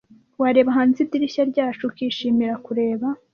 Wareba hanze idirishya ryacu, ukishimira kureba.